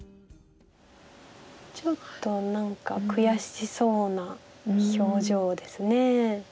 ちょっと何か悔しそうな表情ですね。